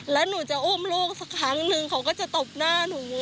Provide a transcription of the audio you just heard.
แล้วหนูจะอุ้มลูกสักครั้งนึงเขาก็จะตบหน้าหนู